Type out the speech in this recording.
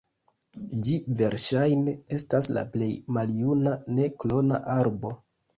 Ĝi verŝajne estas la plej maljuna ne-klona arbo.